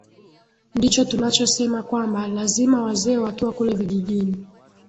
ndicho tunachosema kwamba lazima wazee wakiwa kule vijijini